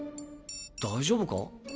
大丈夫か？